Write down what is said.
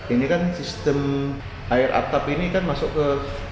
ini kan sistem air atap ini kan masuk ke